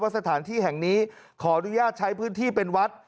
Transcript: สถานที่แห่งนี้ขออนุญาตใช้พื้นที่เป็นวัด